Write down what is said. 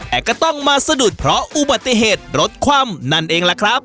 แต่ก็ต้องมาสะดุดเพราะอุบัติเหตุรถคว่ำนั่นเองล่ะครับ